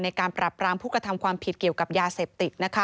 การปรับรามผู้กระทำความผิดเกี่ยวกับยาเสพติด